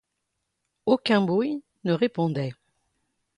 Aucun bruit ne répondait.